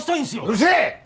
うるせえ！